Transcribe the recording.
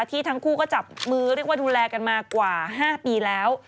ที่ทั้งคู่ก็จับมือเรียกว่าดูแลกันมากว่า๕ปีแล้ว